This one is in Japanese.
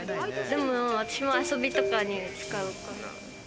私も遊びとかに使うかな。